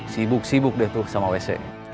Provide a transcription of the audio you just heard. sibuk sibuk deh tuh sama wc